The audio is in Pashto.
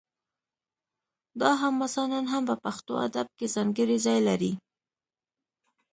دا حماسه نن هم په پښتو ادب کې ځانګړی ځای لري